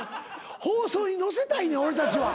放送に乗せたいねん俺たちは。